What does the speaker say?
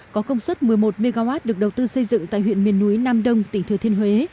có công suất một mươi một mw được đầu tư xây dựng tại huyện miền núi nam đông tỉnh thừa thiên huế